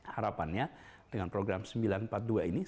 harapannya dengan program sembilan ratus empat puluh dua ini